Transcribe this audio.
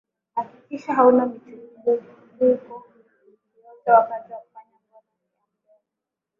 hakikisha hauna michubuko yoyote wakati wa kufanya gono ya mdomo